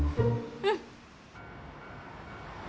うん。